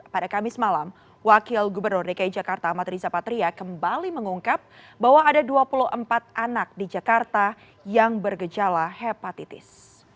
pada kamis malam wakil gubernur dki jakarta amat riza patria kembali mengungkap bahwa ada dua puluh empat anak di jakarta yang bergejala hepatitis